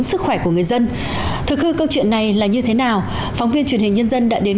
sức khỏe của người dân thực hư câu chuyện này là như thế nào phóng viên truyền hình nhân dân đã đến